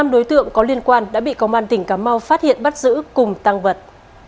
năm đối tượng có liên quan đã bị công an tỉnh cà mau phát hiện bắt giữ cùng tăng vật